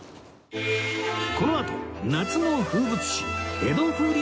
このあと夏の風物詩江戸風鈴